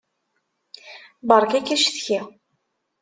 Beṛka-k acetki.